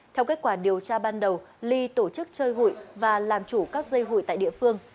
theo kết quả điều tra ban đầu ly tổ chức chơi hụi và làm chủ các dây hụi tại địa phương